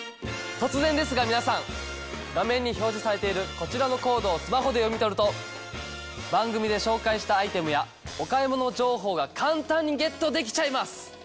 突然ですが皆さん画面に表示されているこちらのコードをスマホで読み取ると番組で紹介したアイテムやお買い物情報が簡単にゲットできちゃいます！